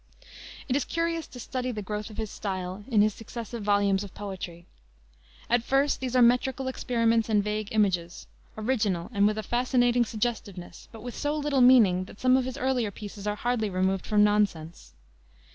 It is curious to study the growth of his style in his successive volumes of poetry. At first these are metrical experiments and vague images, original, and with a fascinating suggestiveness, but with so little meaning that some of his earlier pieces are hardly removed from nonsense.